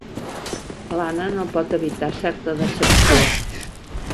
L'Anna no pot evitar certa decepció.